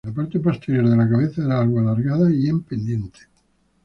La parte posterior de la cabeza era algo alargada y en pendiente.